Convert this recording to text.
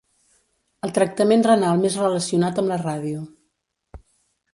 El tractament renal més relacionat amb la ràdio.